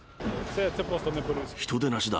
人でなしだ。